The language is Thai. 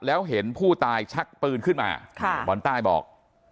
แล้วเห็นผู้ตายชักปืนขึ้นมาบอลใต้บอก